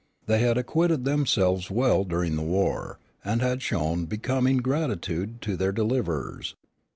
They had acquitted themselves well during the war, and had shown becoming gratitude to their deliverers.